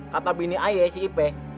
kata bini ayah si ipeh